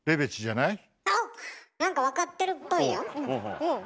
なんか分かってるっぽいよ。